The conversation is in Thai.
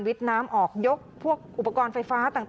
น้ำออกยกพวกอุปกรณ์ไฟฟ้าต่าง